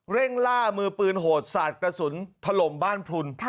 ล่ามือปืนโหดสาดกระสุนถล่มบ้านพลุน